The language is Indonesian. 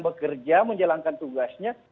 bekerja menjalankan tugasnya